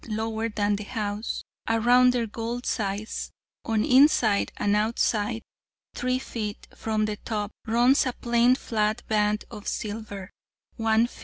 lower than the house; around their gold sides, on inside and outside, 3 ft. from the top, runs a plain flat band of silver, 1 ft.